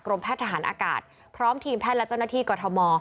แพทย์ทหารอากาศพร้อมทีมแพทย์และเจ้าหน้าที่กรทม